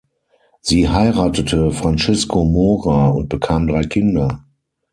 Sie heiratete Francisco Mora und bekam drei Kinder.